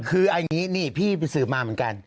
คืออันนี้นี่พี่สืบมาเหมือนกัน